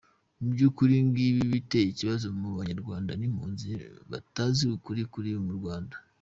Mubyukuri ngibi ibiteye ikibazo mu banyarwanda b’impunzi batazi ukuri kuri mu Rwanda.